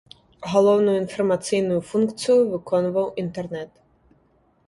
Галоўную інфармацыйную функцыю выконваў інтэрнэт.